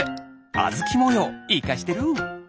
あずきもよういかしてる！